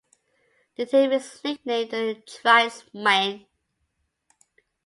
The team is nicknamed the Tribesmen.